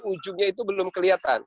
ujungnya itu belum kelihatan